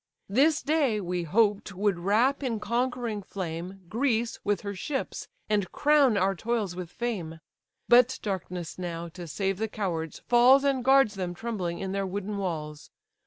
This day, we hoped, would wrap in conquering flame Greece with her ships, and crown our toils with fame. But darkness now, to save the cowards, falls, And guards them trembling in their wooden walls.